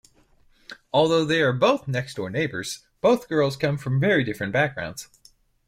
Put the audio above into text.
Although they are next-door neighbours, both girls come from very different backgrounds.